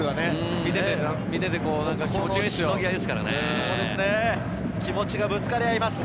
見ていて気持ちがいいですよ。